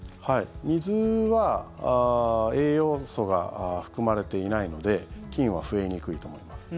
水は栄養素が含まれていないので菌は増えにくいと思います。